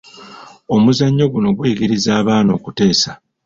Omuzannyo guno guyigiriza abaana okuteesa.